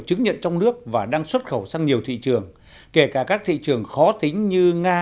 chứng nhận trong nước và đang xuất khẩu sang nhiều thị trường kể cả các thị trường khó tính như nga